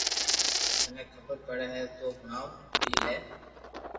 ٿني خبر پڙي ھي تو ھڻَو وي لي